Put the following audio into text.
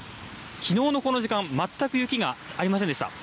きのうのこの時間、全く雪がありませんでした。